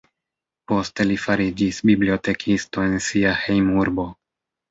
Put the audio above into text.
Poste li fariĝis bibliotekisto en sia hejmurbo.